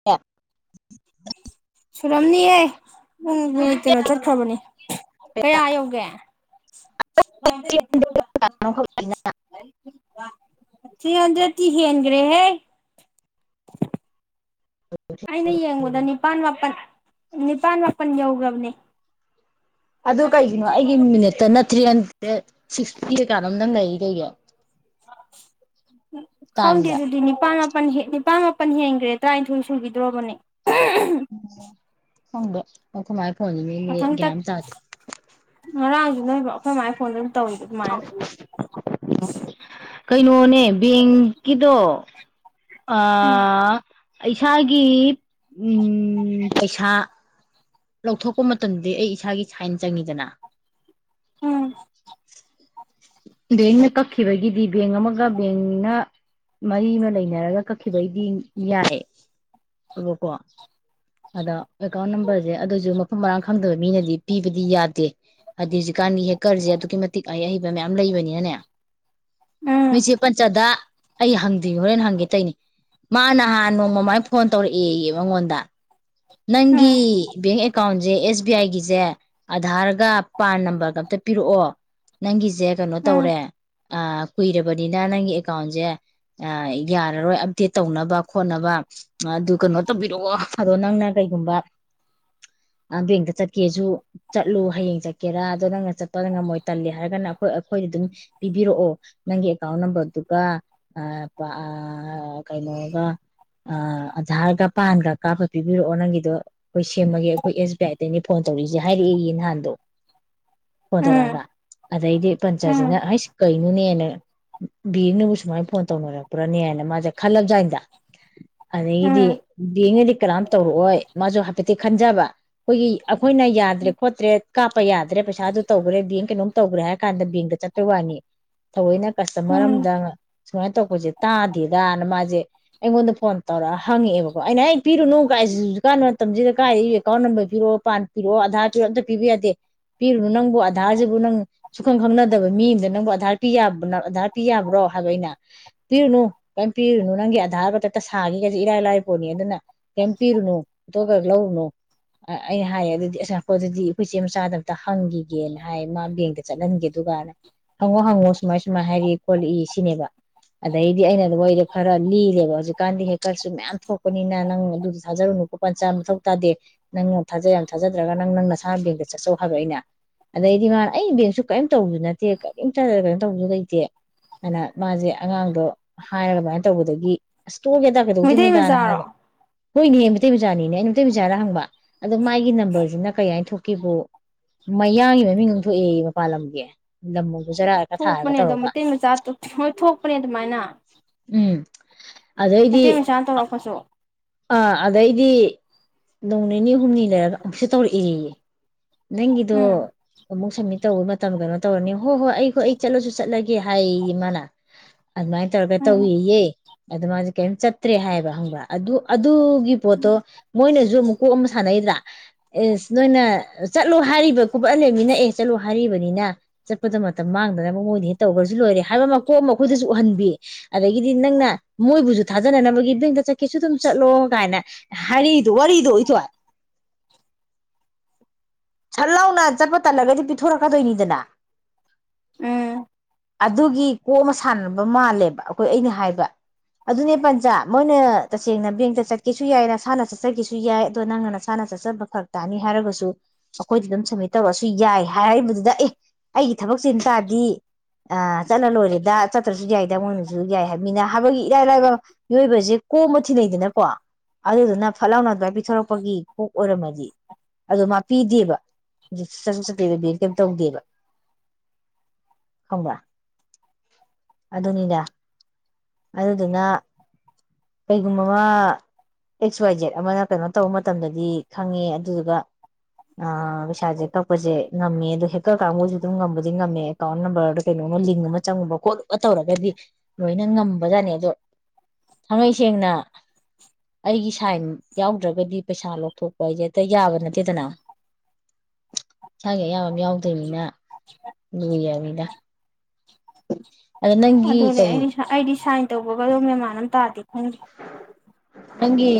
[unintelligible] ꯁꯨꯔꯝꯅꯤꯍꯦ ꯄꯨꯡ ꯃꯤꯅꯤꯠ ꯀꯩꯅꯣ ꯆꯠꯈ꯭ꯔꯕꯅꯤ ꯀꯌꯥ ꯌꯧꯒꯦ꯫ [inaudible] ꯊ꯭ꯔꯤ ꯍꯟꯗ꯭ꯔꯦꯗꯇꯤ ꯍꯦꯟꯒ꯭ꯔꯦꯍꯦ꯫ ꯑꯩꯅ ꯌꯦꯡꯕꯗ ꯅꯤꯄꯥꯜ ꯃꯥꯄꯟ ꯅꯤꯄꯥꯜ ꯃꯥꯄꯟ ꯌꯧꯒ꯭ꯔꯕꯅꯦ꯫ ꯑꯗꯨ ꯀꯩꯒꯤꯅꯣ ꯑꯩꯒꯤ ꯃꯤꯅꯤꯠꯇ ꯅꯠ ꯊ꯭ꯔꯤ ꯍꯟꯗ꯭ꯔꯦꯗ ꯁꯤꯛꯁꯇꯤ ꯀꯩ ꯀꯥꯅꯣꯝ ꯇꯪ ꯂꯩꯔꯤ ꯀꯩꯒꯤ꯫ ꯎ ꯈꯪꯡꯗꯦ ꯇꯥꯏꯝꯗ ꯑꯗꯨꯗꯤ꯫ ꯄꯥꯜ ꯃꯥꯄꯟ ꯍꯦ ꯅꯤꯄꯥꯥꯟ ꯃꯥꯄꯟ ꯍꯦꯟꯒ꯭ꯔꯦ ꯇꯔꯥꯅꯤꯊꯣꯏ ꯁꯨꯈꯤꯗ꯭ꯔꯣꯕꯅꯦ꯫ ꯍꯪꯗ ꯑꯈꫭꯏ ꯃꯥꯥꯏ ꯐꯣꯟ ꯃꯊꯪ [inaudible] ꯇꯛ ꯒ꯭ꯌꯥꯟ ꯇꯥꯗꯦ꯫ ꯉꯔꯥꯡꯁꯨ ꯅꯣꯏꯕ ꯑꯈꯣꯏ ꯃꯥꯏ ꯐꯣꯟꯗ ꯑꯗꯨꯝ ꯇꯧꯋꯤꯗꯣ ꯑꯗꯨꯃꯥꯏꯅ꯫ [unintelligible] ꯀꯩꯅꯣꯅꯦ ꯕꯦꯡꯀꯤꯗꯣ ꯎꯝ ꯑꯥ ꯏꯁꯥꯒꯤ ꯎꯝ ꯄꯩꯁꯥ ꯂꯧꯊꯣꯛꯄ ꯃꯇꯝꯗꯤ ꯑꯩ ꯏꯁꯥꯒꯤ ꯁꯥꯏꯟ ꯆꯪꯉꯤꯗꯅ꯫ ꯎꯝ꯫ ꯕꯦꯡꯅ ꯀꯛꯈꯤꯕꯒꯤꯗꯤ ꯕꯦꯡ ꯑꯃꯒ ꯕꯦꯡꯅ ꯃꯔꯤ ꯑꯃ ꯂꯩꯅꯔꯒ ꯀꯛꯈꯤꯕꯩꯗꯤ ꯌꯥꯏ ꯑꯕꯀꯣ꯫ ꯑꯗ ꯑꯦꯀꯥꯎꯟ ꯅꯝꯕꯔꯁꯦ ꯑꯗꯨꯏꯁꯨ ꯃꯐꯝ ꯃꯔꯥꯡ ꯈꯪꯗꯕ ꯃꯤꯅꯗꯤ ꯄꯤꯕꯗꯤ ꯌꯥꯗꯦ꯫ ꯍꯥꯏꯗꯤ ꯍꯧꯖꯤꯛꯀꯥꯟꯒꯤ ꯍꯦꯀꯔꯁꯦ ꯑꯗꯨꯛꯀꯤ ꯃꯇꯤꯛ ꯑꯩ ꯑꯍꯩꯕ ꯃꯌꯥꯝ ꯂꯩꯕꯅꯤꯅꯅꯦ ꯎꯝ ꯅꫭꯏ ꯆꯦ ꯄꯟꯆꯗ ꯑꯩ ꯍꯪꯗꯦ ꯍꯣꯔꯦꯟ ꯍꯪꯒꯦ ꯇꯧꯅꯦ ꯃꯥ ꯅꯍꯥꯟ ꯅꯣꯡꯃꯃꯥꯏ ꯐꯣꯟ ꯇꯧꯔꯛꯑꯦ ꯃꯉꯣꯟꯗ꯫ ꯅꯪꯒꯤ ꯎꯝ ꯕꯦꯡ ꯑꯦ ꯑꯦꯀꯥꯎꯟꯁꯦ ꯑꯦꯁ ꯕꯤ ꯑꯥꯏꯒꯤꯁꯦ ꯑꯙꯥꯔꯒ ꯄꯥꯟ ꯅꯝꯕꯔꯒ ꯑꯝꯇ ꯄꯤꯔꯛꯑꯣ ꯅꯪꯒꯤꯁꯦ ꯀꯩꯅꯣ ꯎꯝ ꯇꯧꯔꯦ ꯀꯨꯏꯔꯕꯅꯤꯅ ꯅꯪꯒꯤ ꯑꯦꯀꯥꯎꯟꯁꯦ ꯌꯥꯔꯔꯣꯏ ꯑꯞꯗꯦꯠ ꯇꯧꯅꯕ ꯈꯣꯠꯅꯕ ꯑꯗꯨ ꯀꯩꯅꯣ ꯇꯧꯕꯤꯔꯛꯑꯣ ꯑꯗꯣ ꯅꯪꯅ ꯀꯩꯒꯨꯝꯕ ꯕꯦꯡꯇ ꯆꯠꯀꯦꯁꯨ ꯆꯠꯂꯨ ꯍꯌꯦꯡ ꯆꯠꯀꯦꯔꯥ ꯑꯗꯨ ꯅꯪꯅ ꯆꯠꯄ ꯉꯝꯃꯣꯏ ꯇꯜꯂꯤ ꯍꯥꯏꯔꯒꯅ ꯑꯩꯈꯣꯏ ꯑꯩꯈꯣꯏ ꯑꯗꯨꯝ ꯄꯤꯕꯤꯔꯛꯑꯣ ꯅꯪꯒꯤ ꯑꯦꯀꯥꯎꯟ ꯅꯝꯕꯔꯗꯨꯒ ꯑ ꯄ ꯑ ꯀꯩꯅꫭꯒꯥ ꯑ ꯑꯗꯥꯔꯒ ꯄꯥꯟꯒ ꯀꯥꯞꯄ ꯄꯤꯕꯤꯔꯛꯑꯣ ꯑꫭ ꯅꯪꯒꯤꯗꯣ ꯑꯩꯈꯣꯏ ꯁꯦꯝꯑꯒꯦ ꯑꯩꯈꯣꯏ ꯑꯦꯁ ꯕꯤ ꯑꯥꯏ ꯗꯩꯅꯤ ꯐꯣꯟ ꯇꯧꯔꯛꯏꯁꯦ ꯍꯥꯏꯔꯛꯑꯦꯌꯦ ꯅꯍꯥꯟꯗꯣ꯫ ꯍꯣꯟꯊꯣꯔꯛꯑꯒ ꯎꯝ ꯑꯗꯩꯗꯤ ꯎꯝ ꯄꯟꯆꯥꯠꯁꯤꯅ ꯑꯩꯁ ꯀꯩꯅꯣꯅꯦꯅ ꯕꯦꯡꯅꯕꯨ ꯁꯨꯃꯥꯏꯅ ꯐꯣꯟ ꯇꯧꯅꯔꯛꯄ꯭ꯔꯥꯅꯦ ꯍꯥꯏꯅ ꯃꯥꯁꯦ ꯈꯜꯂ ꯖꯥꯅꯤꯗ꯫ ꯑꯗꯒꯤꯗꯤ ꯎꯝ ꯕꯦꯡꯅꯗꯤ ꯀꯅꯥꯝ ꯇꯧꯔꯛꯑꯣꯏ ꯃꯥꯁꯨ ꯍꯥꯏꯐꯦꯠꯇꯤ ꯈꯟꯖꯕ꯫ ꯑꯩꯈꯣꯏꯒꯤ ꯑꯩꯈꯣꯏꯅ ꯌꯥꯗ꯭ꯔꯦ ꯈꯣꯠꯇ꯭ꯔꯦ ꯀꯥꯞꯄ ꯌꯥꯗ꯭ꯔꯦ ꯄꯩꯁꯥꯗꯨ ꯇꯧꯈ꯭ꯔꯦ ꯕꯦꯡ ꯀꯩꯅꯣꯝ ꯇꯧꯈ꯭ꯔꯦ ꯍꯥꯏꯔ ꯀꯥꯟꯗ ꯕꯦꯡꯗ ꯆꯠ ꯀꯩ ꯋꯥꯅꯤ ꯊꯧꯑꯣꯏꯅ ꯀꯁꯇꯃꯔ ꯎꯝ ꯑꯃꯝꯗ ꯁꯨꯃꯥꯏꯅ ꯇꯧꯛꯄꯁꯦ ꯇꯥꯗꯦꯗꯅ ꯃꯥꯁꯦ ꯑꯩꯉꯣꯟꯗ ꯐꯣꯟ ꯇꯧꯔꯑ ꯍꯪꯉꯛꯑꯦꯕꯀꯣ ꯑꯩꯅ ꯑꯩ ꯄꯤꯔꯨꯅꯨ ꯁꯤꯁꯨ ꯍꯧꯖꯤꯛ ꯀꯥꯟꯅ ꯃꯇꯝꯁꯤꯗ ꯀꯥꯏꯗꯩ ꯑꯦꯀꯥꯎꯟ ꯅꯝꯕꯔ ꯄꯤꯔꯑꯣ ꯄꯥꯟ ꯄꯤꯔꯛꯑꯣ ꯑꯙꯥꯔ ꯄꯤꯔꯣ ꯑꯝꯇ ꯄꯤꯕ ꯌꯥꯗꯦ꯫ ꯄꯤꯔꯨꯅꯨ ꯅꯪꯕꯨ ꯑꯗꯥꯔꯖꯤꯕꯨ ꯅꯪ ꯁꯨꯡꯈꯪ ꯈꯪꯅꯗꯕ ꯃꯤ ꯑꯝꯗ ꯅꯪꯕꫭ ꯑꯗꯥꯔ ꯄꯤ ꯑꯗꯥꯔ ꯄꯤ ꯌꯥꯕ꯭ꯔꯣ ꯍꯥꯏꯕ ꯑꯩꯅ ꯄꯤꯔꯨꯅꯨ ꯀꯔꯤꯝ ꯄꯤꯔꯨꯅꯨ ꯅꯪꯒꯤ ꯑꯙꯥꯔ ꯃꯊꯛꯇ ꯁꯥꯒꯤꯒꯁꯦ ꯏꯔꯥꯏ ꯂꯥꯏ ꯄꯣꯠꯅꯤ ꯑꯗꯨꯅ ꯀꯩꯝꯄꯤꯔꯨꯅꯨ ꯑꯇꫭꯞꯄ ꯂꯧꯔꯨꯅꯨ ꯑ ꯑꯩꯅ ꯍꯥꯏꯌꯦ ꯑꯗꯨꯗꯤ ꯑꯁ ꯉꯥꯏꯈꫭ ꯑꯗꯨꯗꯤ ꯑꯩꯈꯣꯏꯆꯦ ꯃꯆꯥꯗ ꯑꯝꯇ ꯍꯪꯒꯤꯒꯦꯅ ꯍꯥꯏꯌꯦ ꯃꯥ ꯕꯦꯡꯗ ꯆꯠꯍꯟꯒꯦ ꯑꯗꯨꯒꯅ ꯍꯪꯉꯣ ꯍꯪꯉꯣ ꯁꯨꯃꯥꯏ ꯁꯨꯃꯥꯏꯅ ꯍꯥꯏꯔꯛꯏ ꯈꯣꯠꯂꯛꯏ ꯁꯤꯅꯦꯕ ꯑꯗꯩꯗꯤ ꯑꯩꯅ ꯋꯥꯔꯤꯖꯦ ꯈꯔ ꯂꯤꯔꯦꯕ ꯍꯧꯖꯤꯛꯀꯥꯟꯗꯤ ꯍꯦꯀꯔꯁꯨ ꯃꯌꯥꯝ ꯊꯣꯛꯄꯅꯤꯅ ꯅꯪ ꯑꯗꯨ ꯊꯥꯖꯔꯨꯅꯨꯀꯣ ꯄꯟ ꯆꯥ ꯃꯊꯧ ꯇꯥꯗꯦ ꯅꯪꯅ ꯊꯥꯖꯩ ꯌꯥꯝ ꯊꯥꯖꯗ꯭ꯔꯒ ꯅꯪ ꯅꯪ ꯅꯁꯥꯏ ꯕꯦꯡꯗ ꯆꯠꯆꯧ ꯍꯥꯏꯕ ꯑꯩꯅ ꯑꯗꯩꯗꯤ ꯃꯥꯅ ꯑꯩꯒꯤ ꯕꯦꯡꯁꯨ ꯀꯔꯤꯝ ꯇꯧꯕ ꯅꯠꯇꯦ ꯀꯔꯤꯝꯇ ꯀꯩꯅꫭꯝ ꯇꯧꯕꯁꯨ ꯂꯩꯇꯦ ꯑꯩꯅ ꯃꯥꯖꯩ ꯑꯉꯥꯡꯗꯣ ꯍꯥꯏꯔ ꯑꯗꯨꯃꯥꯏꯅ ꯇꯧꯕꯗꯒꯤ ꯑꯁ ꯇꯣꯛꯑꯒꯦꯗ ꯃꯩꯇꯩ ꯀꯩꯗꯧꯗꯣꯏꯅꯣꯗꯅ ꯃꯆꯥꯔꯣ ꯍꯥꯏꯔꯒ ꯍꯣꯏꯅꯦꯍꯦ ꯃꯩꯇꯩ ꯃꯆꯥꯅꯤꯅꯦ ꯑꯩꯅ ꯃꯩꯇꯩ ꯃꯆꯥꯔꯥ ꯍꯪꯕ ꯑꯗꯣ ꯃꯥꯒꯤ ꯅꯝꯕꯔꯁꯤꯅ ꯀꯩ ꯍꯥꯏꯅ ꯊꯣꯛꯀꯦꯕꯨ ꯃꯌꯥꯡꯒꯤ ꯃꯃꯤꯡ ꯑꯃ ꯊꯣꯛꯑꯦꯌꯦ ꯃꯄꯥꯟ ꯂꯝꯒꯤ ꯂꯝꯃꯕꯨ ꯒꯨꯖꯔꯥꯠ ꯊꯣꯛꯄꯅꯦ ꯑꯗꯣ ꯃꯩꯇꯩ ꯃꯆꯥ ꯍꯣꯏ ꯊꯣꯛꯄꯅꯦ ꯑꯗꯨꯃꯥꯏꯅ ꯎꯝ ꯑꯗꯩꯗꯤ ꯃꯩꯇꯩ ꯃꯆꯥꯅ ꯇꯧꯔꯛꯄꯁꯨ ꯑꯥ ꯑꯗꯩꯗꯤ ꯅꯣꯡ ꯅꯤꯅꯤ ꯍꯨꯝꯅꯤ ꯂꯩꯔꯒ ꯑꯃꯨꯛꯁꯨ ꯇꯧꯔꯛꯑꯦꯌꯦ ꯎꯝ ꯅꯪꯒꯤꯗꫭ ꯑꯃꯨꯛ ꯁꯝꯃꯤꯠ ꯇꯧꯕ ꯃꯇꯝ ꯀꯩꯅꯣ ꯇꯧꯔꯅꯤ ꯍꯣꯏ ꯍꯣꯏ ꯑꯩꯈꯣꯏ ꯑꯩ ꯆꯠꯂꯁꯨ ꯆꯠꯂꯒꯦ ꯍꯥꯏꯌꯦꯌꯦ ꯃꯥꯅ ꯑꯗꯨꯃꯥꯏ ꯇꯧꯔꯒ ꯎꯝ ꯇꯧꯋꯦꯌꯦ ꯑꯗꯨ ꯃꯥꯖꯩ ꯀꯩꯝ ꯆꯠꯇ꯭ꯔꯦ ꯍꯥꯏꯕ ꯈꯪꯕꯔ ꯑꯗꯨ ꯑꯗꯨꯒꯤ ꯄꯣꯠꯇꯣ ꯃꯣꯏꯅꯖꯨ ꯃꯨꯛꯀꯣꯛ ꯑꯃ ꯁꯥꯟꯅꯩꯗ ꯑꯦꯁ ꯅꯣꯏꯅ ꯆꯠꯂꯣ ꯍꯥꯏꯔꯤꯕ ꯀꯣꯄꯠ ꯑꯜꯂꯕ ꯃꯤꯅ ꯑꯦ ꯆꯠꯂꯣ ꯍꯥꯏꯔꯤꯕꯅꯤꯅ ꯆꯠꯄꯗ ꯃꯇꯝ ꯃꯥꯡꯗꯅꯕ ꯃꯣꯏꯗ ꯍꯦꯛ ꯇꯧꯈ꯭ꯔꯁꯨ ꯂꯣꯏꯔꯦ ꯍꯥꯏꯕ ꯃꯀꯣꯛ ꯑꯃ ꯑꯩꯈꯣꯏꯗꯁꯨ ꯎꯍꯟꯕꯤ ꯑꯗꯒꯤꯗꯤ ꯅꯪꯅ ꯃꯣꯏꯕꯨꯁꯨ ꯊꯥꯖꯅꯅꯕꯒꯤ ꯕꯦꯡꯇ ꯆꯠꯀꯦꯁꯨ ꯑꯗꯨꯝ ꯆꯠꯂꯣ ꯀꯥꯏꯅ ꯍꯥꯏꯔꯛ ꯏꯗꫭ ꯋꯥꯔꯤꯗꫭ ꯏꯊꯣꯏ ꯁꯠ ꯂꯥꯎꯅ ꯆꯠꯄ ꯇꯜꯂꯒꯗꯤ ꯄꯤꯊꯣꯔꯛꯀꯗꯣꯏꯅꯤꯗꯅ ꯎꯝ ꯑꯗꯨꯒꯤ ꯀꯣꯛ ꯑꯃ ꯁꯥꯟꯅꯕ ꯃꯥꯜꯂꯦꯕ ꯑꯈꯣꯏ ꯑꯩꯅ ꯍꯥꯏꯕ ꯑꯗꯨꯅꯦ ꯄꯟꯆꯥ ꯃꯣꯏꯅ ꯇꯁꯦꯡꯅ ꯕꯦꯡꯇ ꯆꯠꯀꯦꯁꯨ ꯌꯥꯏ ꯅꯁꯥꯅ ꯆꯠꯆꯒꯦꯁꯨ ꯌꯥꯏ ꯑꯗꯣ ꯅꯪꯅ ꯁꯥꯅ ꯆꯠꯆꯕ ꯐꯔꯛ ꯇꯥꯅꯤ ꯍꯥꯏꯔꯒꯁꯨ ꯑꯩꯈꯣꯏꯗꯗꯨꯝ ꯁꯝꯃꯤꯠ ꯇꯧꯔꯛꯑꯁꯨ ꯌꯥꯏ ꯍꯥꯏꯕꯗꯨꯗ ꯑꯦ ꯑꯩꯒꯤ ꯊꯕꯛ ꯆꯤꯟ ꯇꯥꯔꯗꯤ ꯑ ꯆꯠꯂ ꯂꯣꯏꯔꯦꯗ ꯆꯠꯇ꯭ꯔꯁꯨ ꯌꯥꯏꯗ ꯃꯣꯏꯅꯁꯨ ꯌꯥꯏ ꯍꯥꯏꯕꯅꯤꯅ ꯍꯥꯏꯕꯒꯤ ꯏꯔꯥꯏ ꯂꯥꯏꯕ ꯃꯤꯑꯣꯏꯕꯁꯦ ꯀꯣꯛ ꯑꯃ ꯊꯤꯅꯩꯗꯅꯀꯣ ꯑꯗꯨꯗꯨꯅ ꯐꯠ ꯂꯥꯎꯅ ꯑꯗꯨꯃꯥꯏ ꯄꯤꯊꯣꯔꯛꯄꯒꯤ ꯀꯣꯛ ꯑꯣꯏꯔꯝꯃꯗꯤ ꯑꯗꯣ ꯃꯥ ꯄꯤꯗꯦꯕ ꯆꯠꯁꯨ ꯆꯠꯇꯦꯕ ꯕꯦꯡ ꯀꯩꯝ ꯇꯧꯗꯦꯕ ꯈꯪꯕ꯭ꯔ ꯑꯗꯨꯅꯤꯅꯦ ꯑꯗꯨꯗꯨꯅ ꯀꯩꯒꯨꯝꯕ ꯑꯦꯛꯁ ꯋꯥꯏ ꯖꯦꯠ ꯑꯃꯅ ꯀꯩꯅꯣ ꯇꯧꯕ ꯃꯇꯝꯗꯗꯤ ꯈꯪꯉꯦ ꯑꯗꯨꯗꯨꯒ ꯑ ꯄꯩꯁꯥꯁꯦ ꯀꯛꯄꯁꯦ ꯉꯝꯃꯦ ꯑꯣ ꯍꯦꯛ ꯀꯛꯀ ꯀꯥꯡ ꯃꯣꯏꯁꯨ ꯑꯗꯨꯝ ꯉꯝꯕꯗꯤ ꯉꯝꯃꯦ ꯑꯦꯀꯥꯎꯟ ꯅꯝꯕꯔꯗ ꯀꯩꯅꯣꯃ ꯂꯤꯡ ꯑꯃ ꯆꯪꯉꯨꯕ ꯈꯣꯠꯂꯨꯕ ꯇꯧꯔꯒꯗꯤ ꯂꯣꯏꯅ ꯉꯝꯕꯖꯥꯠꯅꯤ ꯑꯗꯣ ꯊꯥꯡꯉꯩ ꯁꯦꯡꯅ ꯑꯩꯒꯤ ꯁꯥꯏꯟ ꯌꯥꯎꯗ꯭ꯔꯒꯗꯤ ꯄꯩꯁꯥ ꯂꯧꯊꯣꯛꯄ ꯍꯥꯏꯁꯦ ꯍꯦꯛꯇ ꯌꯥꯕ ꯅꯠꯇꯦꯗꯅ ꯏꯁꯥꯒꯤ ꯑꯌꯥꯕ ꯑꯃ ꯌꯥꯎꯗꯣꯏꯅꯤꯅ ꯂꯨꯏ ꯍꯥꯏꯕꯅꯤꯗ [unintelligible] ꯑꯗꯨꯅꯦ ꯀꯔꯤ ꯑꯩ ꯑꯩꯗꯤ ꯁꯥꯏꯟ ꯇꯧꯕꯒꯗꯣ ꯃꯦꯃꯥꯟ ꯑꯃ ꯇꯥꯗꯦ ꯈꯪꯗꯦ ꯅꯪꯒꯤ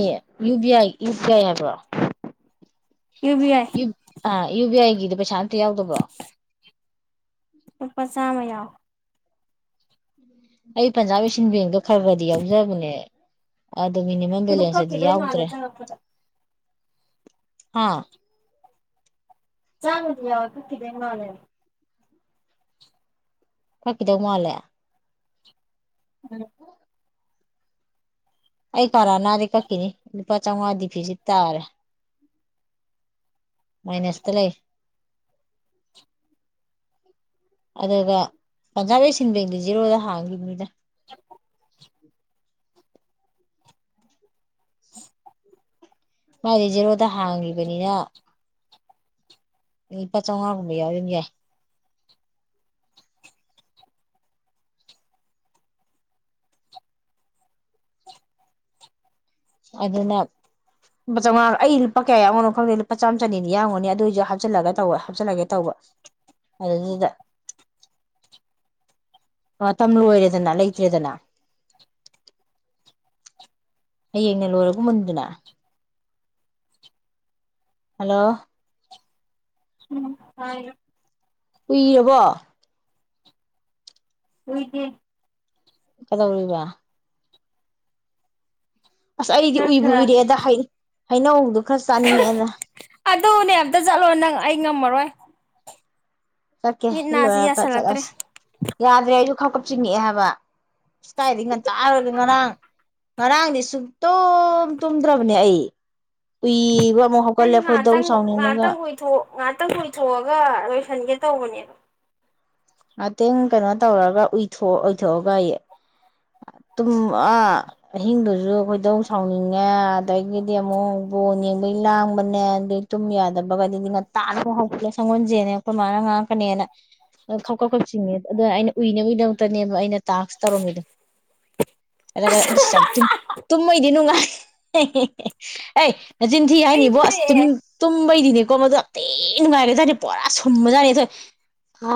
U B I U P I ꯍꯥꯏꯕ꯭ꯔꯣ U B I U ah U B ꯑꯥꯏꯒꯤꯗꯤ ꯄꯩꯁꯥ ꯑꯝꯇ ꯌꯥꯎꯗꯕ꯭ꯔꯣ ꯂꯨꯄꯥ ꯆꯥꯝꯃ ꯌꯥꯎꯋꯦ ꯑꯩ ꯄꯟꯖꯥꯕ ꯋꯦꯁꯟ ꯕꯦꯡꯗꯣ ꯈꯔ ꯈꯔꯗꯤ ꯌꯥꯎꯖꯕꯅꯦ ꯑꯗꯨ ꯃꯤꯅꯤꯃꯝ ꯑꯗꯨ ꯕꯦꯂꯦꯟꯁꯇꯗꯤ ꯀꯛꯈꯤꯗꯣꯏ ꯃꯥꯜꯂꯦ ꯌꯥꯎꯗ꯭ꯔꯦ ꯆꯪꯉꯛꯄꯗ ꯍꯥꯥ ꯆꯥꯝꯃꯥꯗꯤ ꯌꯥꯎꯏ ꯀꯥꯛꯈꯤꯗꯨꯕ ꯃꯥꯂꯦ ꯀꯥꯛꯈꯤꯗꯧ ꯃꯥꯜꯂꯦ ꯎꯝ ꯑꯩ ꯄꯔꯅꯗꯤ ꯀꯥꯛꯈꯤꯅꯤ ꯂꯨꯄꯥꯆꯥꯎꯉꯗꯤ ꯗꯤꯐꯤꯁꯤꯠ ꯇꯔꯦ [unintelligible] ꯃꯥꯏꯅꯁꯇ ꯂꯩ [unintelligible] ꯑꯗꯨꯒ ꯄꯟꯖꯥꯕ ꯑꯦꯁꯤꯟ ꯕꯦꯡꯗꯤ ꯖꯦꯔꯣꯗ ꯍꯥꯡꯈꯤꯕꯅꯤꯗ [unintelligible] ꯎ [inaudible] ꯃꯥꯗꯤ ꯖꯦꯔꯣꯗ ꯍꯥꯡꯉꯤꯕꯅꯤꯅ ꯂꯨꯄꯥ ꯆꯥꯎꯉꯥ ꯒꯨꯝꯕ ꯌꯥꯎꯔꯗꯤ ꯑꯗꯨꯝ ꯌꯥꯢ ꯑꯗꯨꯅ ꯂꯨꯄꯥ ꯆꯥꯝꯉꯥ ꯑꯩ ꯂꯨꯄꯥ ꯀꯌꯥ ꯌꯥꯎꯔꯝꯗꯣꯢꯅꯣ ꯈꯪꯗꯦ ꯂꯨꯄꯥ ꯆꯝ ꯆꯅꯤ ꯌꯥꯎꯔꯝꯒꯅꯤ ꯑꯗꯨꯢꯁꯨ ꯍꯥꯞꯆꯜꯂꯒꯦ ꯇꯧꯕ ꯇꯧꯕ ꯑꯗꯨꯗꯨꯗ [inaudible] ꯃꯇꯝ ꯂꯣꯏꯔꯦꯗꯅ ꯂꯩꯇ꯭ꯔꯦꯗꯅ ꯍꯌꯦꯡꯅ ꯂꯣꯏꯔꯒꯨꯝꯅꯤꯗꯅ ꯍꯜꯂꯣ ꯇꯥꯢꯌꯦ ꯑꯨꯢꯔꯕꯣ ꯑꯨꯢꯗꯦ ꯀꯩꯗꯧꯔꯤꯕ ꯑꯁ ꯑꯩꯗꯤ ꯈꯔ ꯎꯏꯕ ꯈꯔ ꯎꯏꯔꯦꯗ ꯍꯩꯅꯧꯗꯣ ꯈꯔ ꯆꯥꯅꯤꯡꯉꯛꯌꯦꯗ ꯑꯗꯨꯅꯦ ꯑꯝꯇ ꯆꯠꯂꯣ ꯅꯪ ꯑꯩ ꯉꯝꯃꯔꯣꯏ ꯆꯠꯀꯦ ꯃꯤꯠ ꯁꯤ ꯅꯥꯁꯤ ꯂꯣꯏꯔꯒ ꯌꯥꯁꯜꯂꯛꯇ꯭ꯔꯦ ꯆꯠꯂꯁꯤ ꯌꯥꯗ꯭ꯔꯦ ꯑꯩꯁꯨ ꯈꯥꯞ ꯀꯞ ꯆꯤꯡꯉꯛꯑꯦ ꯍꯥꯏꯕ ꯑꯁ ꯀꯥꯏꯗꯩ ꯉꯥꯟꯇꯥ ꯉꯥꯔꯥꯡ ꯉꯔꯥꯡꯗꯤ ꯁꯨꯡꯇꯣꯝ ꯇꯨꯝꯗ꯭ꯔꯕꯅꯦ ꯑꯩ ꯎꯨꯏꯕ ꯑꯃꯨꯛ ꯍꯧꯒꯠꯂꯦ ꯈꯣꯢꯗꯧ ꯁꯥꯎꯅꯤꯡꯕꯒ ꯉꯥꯛꯇꯪ ꯎꯨꯢꯊꯣꯛꯑꯒ ꯂꯣꯏꯁꯟꯒꯦ ꯇꯧꯕꯅꯦ ꯉꯥꯛꯇꯪ ꯀꯩꯅꯣ ꯇꯧꯔꯒ ꯎꯨꯏꯊꯣꯛ ꯎꯨꯏꯊꯣꯛꯑꯒ ꯇꯨꯝ ꯑꯥ ꯑꯍꯤꯡꯗꯨꯁꯨ ꯈꯣꯏꯗꯧ ꯁꯥꯎꯅꯤꯡꯉꯦ ꯑꯗꯒꯤꯗꯤ ꯑꯃꯨꯛ ꯕꯣꯟ ꯌꯦꯡꯕꯩ ꯂꯥꯡꯕꯅꯦ ꯑꯗꯨ ꯇꯨꯝ ꯌꯥꯗꯕꯒꯗꯤ ꯉꯥꯟꯇꯥꯅꯒ ꯍꯧꯒꯠꯂꯦ ꯁꯪꯒꯣꯟꯁꯦꯟꯅꯦ ꯑꯩꯈꯣꯏ ꯃꯥꯅ ꯉꯥꯛꯀꯅꯦꯅ ꯈꯥꯎꯀꯥ ꯈꯧꯞꯆꯤꯡꯉꯦ ꯑꯗ ꯑꯩꯅ ꯎꯏꯅꯕꯒꯤꯗꯃꯛꯇꯅꯦꯕ ꯑꯩꯅ ꯇꯥꯛꯁ ꯇꯧꯔꯝꯃꯤꯗꯣ ꯆꯠꯂꯒ ꯑꯁ ꯑꯗꯨꯁꯨ ꯌꯥꯝ ꯇꯨꯝꯃꯩꯗꯤ ꯅꯨꯡꯉꯥꯜꯂꯤ ꯑꯩ ꯅ ꯆꯤꯟꯊꯤ ꯑꯩ ꯍꯥꯏꯅꯤꯕꯣ ꯑꯁ ꯇꯨꯝ ꯎꯏꯔꯛꯑꯦ ꯇꯨꯝꯕꯩꯗꯤꯅꯦꯀꯣ ꯃꯗꯨ ꯑꯇꯩ ꯅꯨꯡꯉꯥꯏꯔꯦ ꯑꯗꯨꯇꯥꯔꯗꯤ ꯄꯨꯔꯥ ꯁꯨꯝꯕꯖꯥꯠꯦꯗꯣꯏ ꯑ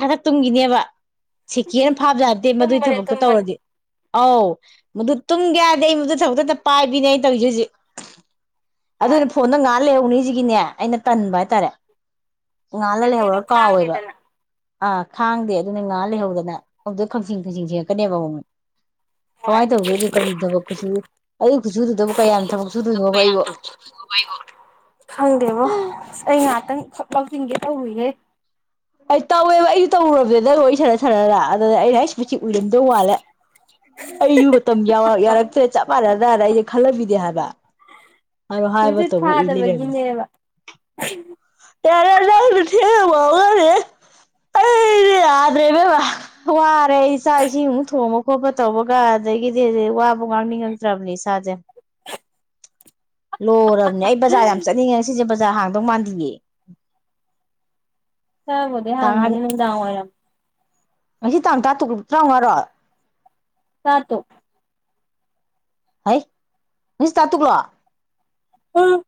ꯍꯟꯗꯛ ꯇꯨꯝꯒꯤꯅꯦꯕ ꯁꯤꯀꯦꯅ ꯐꯥꯕꯖꯗꯦ ꯃꯗꯨꯒꯤ ꯇꯨꯝꯕꯅꯦ ꯊꯕꯛꯇꯣ ꯇꯨꯝꯕꯅꯦ ꯇꯧꯔꯗꯤ ꯑꯧ ꯃꯗꯨ ꯇꯨꯡꯒꯦ ꯌꯥꯗꯦ ꯑꯩ ꯃꯗꯨ ꯊꯕꯛꯇꯛꯇ ꯄꯥꯏꯕꯤꯅꯦ ꯑꯩ ꯇꯧꯔꯤꯁꯦ ꯍꯧꯖꯤꯛ ꯍꯣꯏ ꯑꯗꯨꯅꯦ ꯐꯣꯟꯗ ꯉꯥꯍꯜ ꯂꯩꯍꯧꯅꯤꯁꯤꯒꯤꯅꯦ ꯑꯩꯅ ꯇꯟꯕ ꯍꯥꯏꯇꯥꯔꯦ ꯉ ꯉꯥꯜꯂ ꯕꯦꯇ꯭ꯔꯤꯗꯣ ꯂꯩꯍꯧꯔ ꯀꯥꯎꯋꯦꯕ ꯈꯥꯡꯗꯦꯗꯅ ꯑꯥ ꯈꯥꯡꯗꯦ ꯑꯗꯨꯅ ꯉꯥꯏꯍꯥ ꯂꯩꯍꯧꯗꯅ ꯑꯃꯨꯛꯁꯨ ꯈꯪꯆꯤꯡ ꯈꯪꯁꯤꯡ ꯁꯦꯡꯉꯛꯀꯅꯦꯕ ꯍꯣꯏ ꯀꯃꯥꯏꯅ ꯇꯧꯗꯣꯏꯅꯣ ꯀꯔꯤ ꯊꯕꯛ ꯈꯨꯠꯁꯨ ꯑꯗꯨꯒꯤ ꯈꯨꯠꯁꯨꯗꯨꯗꯕꯨ ꯀꯌꯥꯝ ꯊꯕꯛ ꯁꯨꯗꯣꯏꯅꯣꯕ ꯑꯩꯕꯨ ꯈꯪꯗꯦꯕꯣ ꯑꯁ ꯑꯩ ꯉꯍꯥꯛꯇꯪ ꯈꯥꯞ ꯂꯧꯎ ꯁꯤꯟꯒꯦ ꯇꯧꯔꯨꯢꯍꯦ ꯑꯩ ꯇꯧꯋꯦꯕ ꯑꯩꯁꯨ ꯇꯧꯔꯨꯔꯕꯅꯦ ꯅꯪꯒꯥ ꯁꯅꯥ ꯁꯅꯥ ꯑꯗꯨꯗ ꯑꯩꯅꯥ ꯑꯩꯁ ꯑꯩꯒꯤ ꯃꯤꯠꯁꯦ ꯎꯨꯏꯔꯛꯇꯧ ꯃꯜꯂꯦ ꯑꯩꯁꯨ ꯃꯇꯝ ꯌꯥꯔꯛꯇ꯭ꯔꯦ ꯆꯞ ꯃꯥꯟꯅꯗꯥꯅ ꯑꯩꯗꯤ ꯈꯜꯂꯝꯃꯤꯅꯦ ꯍꯥꯏꯕ ꯍꯥꯏꯕꯒ ꯇꯨꯏꯁꯟ ꯇꯨꯕꯒꯕꯨ ꯎꯨꯏ ꯂꯩꯔꯝꯃꯦ ꯐꯥꯗꯕꯒꯤꯅꯦꯕ ꯇꯔꯦ ꯍ ꯊꯒꯅꯦꯦ [inaudible] ꯑꯩꯗꯤ ꯌꯥꯗꯔꯦꯗꯅ ꯋꯥꯔꯦ ꯏꯆꯥ ꯏꯁꯤꯡꯃꯨꯛ ꯊꯣꯡꯕ ꯈꯣꯠꯄ ꯇꯧꯕꯒ ꯑꯗꯒꯤꯗꯤ ꯋꯥꯕ ꯉꯥꯡꯅꯤꯡꯉꯗ꯭ꯔꯕꯅꯦ ꯏꯁꯥꯁꯦ ꯂꯣꯏꯔꯕꯅꯦ ꯑꯩ ꯕꯖꯥꯔ ꯌꯥꯝ ꯆꯠꯅꯤꯡꯉꯦ ꯁꯤꯁꯦ ꯕꯖꯥꯔ ꯍꯥꯡꯗꯧ ꯃꯥꯟꯗꯌꯦ ꯆꯕꯗꯦ ꯍꯥꯡꯉꯅꯤ ꯅꯗꯥꯔꯝ ꯉꯁꯤ ꯇꯥꯡ ꯇꯔꯥ ꯇꯨꯛ ꯇꯔꯥꯃꯉꯥꯔꯣ ꯇ ꯇꯣ ꯍ ꯃꯤꯁ ꯇꯥꯇꯨꯛꯂꯣ ꯎꯝ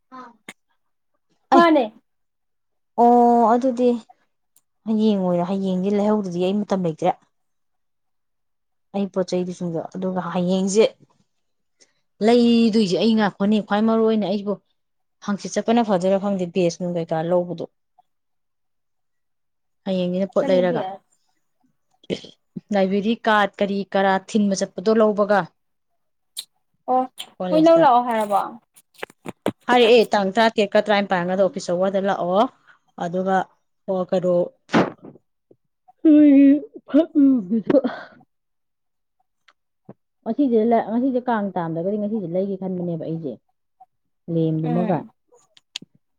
ꯑꯩ ꯃꯥꯅꯦ ꯑꯣ ꯑꯗꯨꯗꯤ ꯍꯌꯦꯡ ꯑꯣꯏꯔꯣ ꯍꯌꯦꯡꯗꯤ ꯂꯩꯍꯧꯗꯨꯗꯤ ꯑꯩ ꯃꯇꯝ ꯂꯩꯇ꯭ꯔꯦ ꯑꯩ ꯄꯣꯠ ꯆꯩꯩꯗꯨꯁꯤꯡꯨꯡꯗꯣ ꯑꯗꯨꯒ ꯍꯌꯦꯡꯁꯦ ꯂꯩꯗꯣꯏꯁꯦ ꯑꯩ ꯉꯥꯛꯄꯅꯤ ꯈ꯭ꯋꯥꯏ ꯃꯔꯨ ꯑꯣꯏꯅ ꯑꯩꯕꯨ ꯍꯥꯡꯆꯤꯠ ꯆꯠꯄꯅ ꯐꯖꯔꯦ ꯐꯪꯗꯦ ꯕꯦꯁꯅꯨꯡ ꯀꯩꯀꯥ ꯂꯧꯕꯗꯣ ꯍꯌꯦꯡꯒꯤꯅ ꯄꯣꯠ ꯀꯔꯤ ꯂꯩꯔꯒ ꯄꯤꯔꯛꯑꯦ ꯗꯥꯏꯕꯦꯔꯤꯛ ꯀꯥꯔꯠ ꯀꯔꯤ ꯀꯔꯥ ꯊꯤꯟꯕ ꯆꯠꯄꯗꯣ ꯂꯧꯕꯒ ꯑꯣ ꯍꯣꯏ ꯂꯧ ꯀꯣꯂꯦꯖꯇ ꯂꯥꯛꯑꯣ ꯍꯥꯏꯔꯕꯣ ꯍꯥꯏꯔ ꯑꯦ ꯇꯥꯡ ꯇꯔꯥꯇꯔꯦꯠꯀ ꯇꯔꯥꯅꯤꯄꯥꯟꯒꯗ ꯑꯣꯐꯤꯁ ꯑꯋꯥꯔꯗ ꯂꯥꯛꯑꯣ ꯑꯗꯨꯒ ꯑꯣ ꯀꯩꯅꯣ ꯍ ꯐ [inaudible] ꯉꯁꯤꯗ ꯉꯁꯤꯁꯦ ꯀꯥꯡ ꯇꯥꯝꯗ꯭ꯔꯒꯗꯤ ꯉꯁꯤꯁꯦ ꯂꯩꯒꯦ ꯈꯟꯕꯅꯦꯕ ꯑꯩꯁꯦ ꯂꯦꯝꯗꯨꯃꯒ ꯎꯝ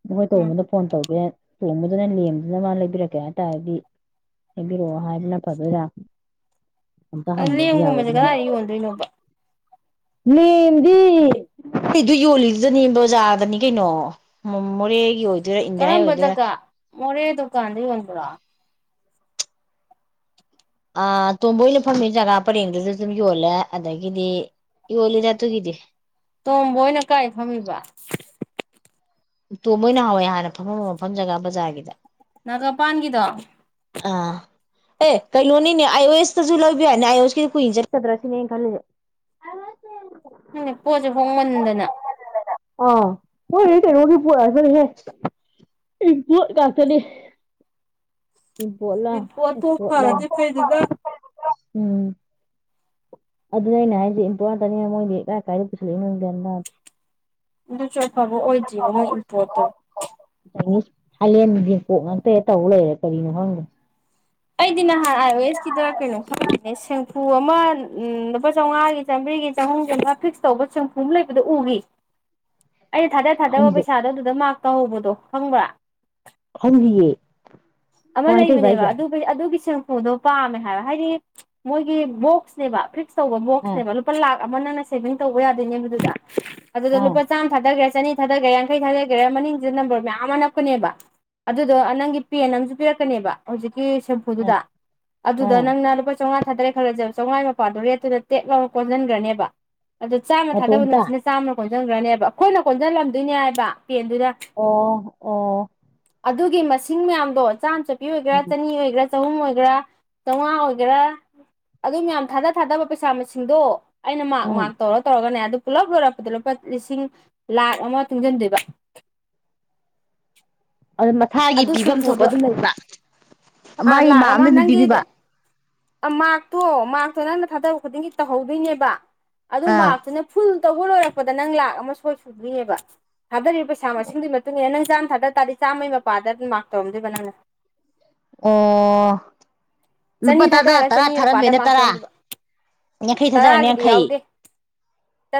ꯅꯈꯣꯏ ꯎꯝ ꯇꯧꯕꯕꯗ ꯐꯣꯟ ꯇꯧꯒꯦ ꯆꯣꯡꯕꯗꯨꯅ ꯂꯦꯝꯗꯨꯅ ꯃꯥ ꯂꯩꯕꯤꯔꯛꯀꯦ ꯍꯥꯏꯇꯥꯥꯔꯗꯤ ꯍꯥꯏꯕꯤꯔꯛꯑꯣ ꯍꯥꯏꯕꯅ ꯐꯗꯣꯏꯔꯥ ꯑꯝꯇ ꯍꯪꯗꯗꯤ ꯂꯦꯝꯒꯨꯝꯕꯁꯦ ꯌꯥꯔꯣꯏꯅꯦ ꯀꯗꯥꯏꯗ ꯌꯣꯟꯗꯣꯏꯅꯣꯕ ꯃꯗꯤ ꯑꯩꯗ ꯌꯣꯜꯂꯤꯗꯨꯗꯅꯤ ꯕꯖꯥꯔꯗꯅꯤ ꯀꯩꯅꯣ ꯃꯣꯔꯦꯒꯤ ꯑꯣꯏꯗꯣꯏꯔꯥ ꯏꯟꯗꯤꯌꯥꯒꯤ ꯀꯔꯝꯕ ꯑꯣꯏꯗꯣꯏꯔꯥ ꯖꯒꯥ ꯃꯣꯔꯦ ꯗꯨꯀꯥꯟꯗ ꯌꯣꯟꯕ꯭ꯔꯣ ꯑ ꯇꯣꯝꯕꯣꯏꯅ ꯐꯝꯃꯤ ꯖꯒꯥ ꯄꯔꯦꯡꯗꯨꯗ ꯑꯗꯨꯝ ꯌꯣꯜꯂꯦ ꯑꯗꯒꯤꯗꯤ ꯏ ꯍꯣꯂꯤꯗꯥꯇꯨꯒꯗꯦ ꯇꯣꯝꯕ ꯑꯣꯏꯅ ꯀꯥꯏ ꯐꯝꯃꯤꯕ ꯇꯣꯝꯕ ꯑꯣꯏꯅ ꯍꯥꯎꯋꯦ ꯍꯥꯟꯅ ꯐꯐꯝ ꯃꯐꯝ ꯖꯒꯥ ꯕꯖꯥꯔꯒꯤꯗ ꯒꯥ ꯄꯥꯟꯒꯤꯗꯣ ꯑꯥ ꯑꯦ ꯀꯩꯅꯣꯅꯤꯅꯦ ꯑꯥꯏ ꯑꯣ ꯑꯦꯁꯇꯁꯨ ꯂꯕ ꯌꯥꯅꯤ ꯑꯥꯏ ꯑꯣ ꯑꯦꯁꯀꯤꯗꯤ ꯀꯨꯏ ꯍꯟ ꯆꯠꯀꯗ꯭ꯔꯁꯤꯅꯦꯅ ꯈꯜꯜꯂꯤꯁꯦ ꯄꯣꯠꯁꯦ ꯍꯣꯡꯃꯟꯗꯅ ꯑ ꯀꯩꯅꯣꯒꯤ ꯄꯣꯠꯂꯒꯅꯤꯍꯦ ꯄꯣꯠ ꯉꯥꯛꯇꯅꯦ ꯣꯠꯂꯣꯠꯂ ꯏꯝꯄꯣꯔꯠꯇꯣ ꯐꯔꯗꯤ ꯐꯩꯗꯅ ꯎꯝ ꯑꯗꯨꯅꯦ ꯑꯩꯅ ꯍꯥꯏꯗꯤ ꯏꯝꯄꯣꯔꯇꯅꯤꯅ ꯃꯣꯏꯗꯤ ꯀꯥꯏ ꯀꯥꯏꯗ ꯄꯨꯁꯤꯂꯛꯏ ꯅꯣꯦ ꯑꯗꯨꯁꯨ ꯑꯐꯕ ꯑꯣꯏꯗ꯭ꯔꯤꯅꯣ ꯃꯣꯏ ꯏꯝꯄꯣꯔꯠꯇꯣ ꯆꯥꯏꯅꯤꯁ ꯊꯥꯏꯂꯦꯟ ꯌꯦꯄꯣꯛ ꯉꯥꯛꯇ ꯇꯧꯕ ꯂꯩꯔꯦ ꯀꯔꯤꯅꯣ ꯈꯪꯗꯣ ꯑꯩꯗꯤ ꯅꯍꯥꯟ ꯑꯥꯏ ꯑꯣ ꯑꯦꯁ ꯀꯗ ꯀꯩꯅꯣ ꯈꯪꯗꯅꯦ ꯁꯦꯡꯐꯨ ꯑꯃ ꯂꯨꯄꯥ ꯆꯥꯝꯃꯉꯥꯒꯤ ꯆꯔꯤꯒꯤ ꯆꯍꯨꯝ ꯆ꯭ꯔꯥ ꯐꯤꯛꯁ ꯇꯧꯕ ꯆꯨꯝꯐꯨ ꯑꯃ ꯂꯩꯕꯗ ꯎꯈꯤ ꯑꯩꯅ ꯊꯥꯗ ꯊꯥꯗꯕ ꯈꯪꯗꯦ ꯄꯩꯁꯥꯗꯣ ꯑꯗꯨꯗ ꯃꯥꯔꯛ ꯇꯧꯍꯧꯕꯗꯣ ꯈꯪꯕ꯭ꯔꯥ ꯍꯧ ꯍꯌꯦ ꯑꯃ ꯂꯩꯕꯅꯦꯕ ꯑꯗꯨ ꯑꯗꯨꯒꯤ ꯁꯦꯡꯐꯨꯗꯣ ꯄꯥꯝꯃꯦ ꯍꯥꯏꯕ ꯍꯥꯏꯗꯤ ꯃꯣꯏꯒꯤ ꯕꯣꯛꯁꯅꯦꯕ ꯇꯧꯕ ꯑꯥ ꯕꯣꯛꯁꯅꯦꯕ ꯂꯨꯄꯥ ꯂꯥꯛ ꯑꯃ ꯅꯪꯅ ꯁꯦꯚꯤꯡ ꯇꯧꯕ ꯌꯥꯗꯣꯏꯅꯦꯕꯗꯨꯗ ꯑꯗꯨꯗ ꯑꯥ ꯂꯨꯄꯥ ꯆꯥꯝꯃ ꯊꯥꯗꯈ꯭ꯔꯦ ꯆꯠꯅꯤ ꯊꯥꯗꯒꯦꯔꯥ ꯌꯥꯡꯈꯩ ꯊꯥꯗꯈꯦꯔꯥ ꯃꯅꯤꯡꯁꯤꯗ ꯅꯝꯕꯔ ꯃꯌꯥꯝ ꯑꯃ ꯅꯞꯄꯅꯦꯕ ꯑꯗꯨꯗꯣ ꯅꯪꯒꯤ ꯄꯦꯟꯨ ꯄꯤꯔꯛꯀꯅꯦꯕ ꯍꯧꯖꯤꯛꯀꯤ ꯑꯥ ꯁꯦꯝꯄꯨꯗꯨꯗ ꯑꯗꯨꯗ ꯑꯥ ꯅꯪꯅ ꯂꯨꯄꯥ ꯆꯥꯝꯃꯉꯥꯔꯦ ꯈꯔꯕ ꯆꯝꯃꯉꯥ ꯃꯄꯥꯗꯨꯣ ꯔꯦꯠꯇꯨꯗ ꯇꯦꯛꯞ ꯂꯧꯔꯒ ꯀꯣꯟꯁꯤꯟꯈ꯭ꯔꯅꯦꯕ ꯑꯗꯣ ꯆꯥꯝꯃ ꯊꯥꯗꯕ ꯃꯇꯣꯝꯇ ꯅꯨꯃꯤꯠꯁꯤꯅ ꯆꯥꯝꯃ ꯀꯣꯟꯁꯤꯟꯈ꯭ꯔꯅꯦꯕ ꯑꯩꯈꯣꯏꯅ ꯀꯣꯟꯁꯤꯜꯂꯝꯗꯣꯏꯅꯦ ꯍꯥꯏꯕ ꯄꯦꯟꯗꯨꯗ ꯑꯣ ꯑꯣ ꯑꯗꯨꯒꯤ ꯃꯁꯤꯡ ꯃꯌꯥꯝꯗꯣ ꯆꯥꯝꯃ ꯆꯄꯤ ꯑꯣꯏꯒꯦꯔꯥ ꯎꯝ ꯆꯅꯤ ꯑꯣꯏꯒꯦꯔꯥ ꯆꯍꯨꯝ ꯑꯣꯏꯒꯦꯔꯥ ꯆꯥꯝꯃꯉꯥ ꯑꯣꯏꯒꯦꯔꯥ ꯑꯗꯨ ꯃꯌꯥꯝ ꯊꯥꯗ ꯊꯥꯗꯕ ꯄꯩꯁꯥ ꯃꯁꯤꯡꯗꯣ ꯑꯩꯅ ꯃꯥꯔ ꯎꯝ ꯃꯥꯥꯛꯛ ꯇꯧꯔ ꯇꯧꯔꯒꯅꯦ ꯑꯗꯨ ꯄꯨꯂꯞ ꯂꯣꯏꯔꯛꯄꯗ ꯂꯨꯄꯥ ꯂꯤꯁꯤꯡ ꯂꯥꯛ ꯑꯃ ꯇꯨꯡꯁꯤꯟꯗꯣꯏꯕ ꯑꯗꯨ ꯃꯊꯥꯒꯤ ꯑꯗꯨ ꯄꯤꯐꯝ ꯊꯣꯛꯄ ꯁꯤꯡꯐꯨꯗꯣ ꯑꯗꯨꯝ ꯂꯩꯕ꯭ꯔ ꯃꯥꯒꯤ ꯃꯥ ꯑꯝꯗ ꯑꯗꯨꯝ ꯄꯤꯕꯤꯕ ꯑ ꯃꯥꯔꯛꯇꯣ ꯃꯥꯔꯛꯇꯣ ꯅꯪꯅ ꯊꯥꯗꯕ ꯈꯨꯗꯤꯡꯒꯤ ꯇꯧꯍꯧꯗꯣꯏꯅꯦꯕ ꯑꯗꯨ ꯑꯥ ꯃꯥꯔꯛꯇꯨꯅ ꯐꯨꯜ ꯇꯧꯕ ꯂꯣꯏꯔꯛꯄꯗ ꯅꯪ ꯂꯥꯛ ꯑꯃ ꯁꯣꯏ ꯁꯨꯗ꯭ꯔꯤꯅꯦꯕ ꯊꯥꯗꯔꯤꯕ ꯄꯩꯁꯥ ꯃꯁꯤꯡꯗꯨꯒꯤ ꯃꯇꯨꯡ ꯏꯟꯅ ꯅꯪ ꯆꯥꯝꯃ ꯊꯥꯗ ꯇꯥꯔꯗꯤ ꯆꯥꯝꯃꯩ ꯃꯄꯥꯗ ꯑꯗꯨꯝ ꯃꯥꯔꯛ ꯇꯧꯔꯝꯗꯣꯏꯕ ꯅꯪꯅ ꯑꯣ ꯂꯨꯄꯥ ꯆꯅꯤ ꯇꯔꯥ ꯊꯥꯗꯔꯒꯅ ꯇꯔꯥ ꯆꯅꯤ ꯃꯄꯥꯗ ꯊꯥꯔꯝꯃꯦꯅ ꯃꯥꯔꯛ ꯇꯔꯥ ꯇꯧꯔꯝꯗꯣꯏꯕ ꯌꯥꯡꯈꯩ ꯊꯥꯗ ꯇꯔꯥꯒꯤꯗꯤ ꯌꯥꯡꯈꯩ ꯌꯥꯎꯗꯦ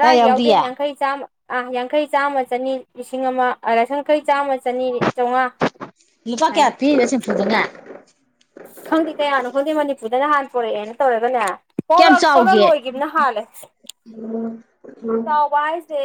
ꯇꯔꯥ ꯌꯥꯎꯗꯦ ꯌꯥꯎꯗꯤꯌꯦ ꯌꯥꯡꯈꯩ ꯥ ꯌꯥꯡꯈꯩ ꯆꯥꯝꯃ ꯆꯅꯤ ꯂꯤꯁꯤꯡ ꯑꯃ ꯂꯥꯏ ꯌꯥꯡꯈꯩ ꯆꯥꯝꯃ ꯆꯅꯤ ꯆꯉ ꯂꯨꯄꯥ ꯀꯌꯥ ꯄꯤꯕꯁꯐꯨꯗꯅ ꯈꯪꯗꯦ ꯀꯌꯥꯅꯣ ꯈꯪꯗꯦ ꯃꯅꯤꯄꯨꯔꯗꯅ ꯅꯍꯥꯟ ꯄꯣꯔꯛꯑꯦꯅ ꯇꯧꯔꯒꯅꯦ ꯀꯌꯥꯝ ꯄꯂꯛꯄꯒ ꯆꯥꯎꯒꯦ ꯂꯣꯏꯈꯤꯕꯅ ꯍꯥꯜꯂꯦ ꯆꯥꯎꯕ ꯍꯥꯏꯁꯦ